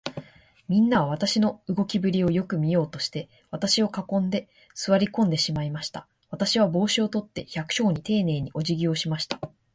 みんなは、私の動きぶりをよく見ようとして、私を囲んで、坐り込んでしまいました。私は帽子を取って、百姓にていねいに、おじぎをしました。